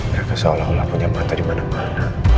gak kesal allah punya mata dimana mana